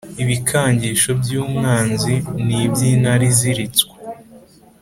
Ibikangisho by'Umwanzi N' iby'intare iziritswe :